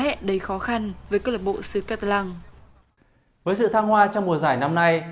hẹn đầy khó khăn với cơ lạc bộ xứ catalan với sự tham hoa trong mùa giải năm nay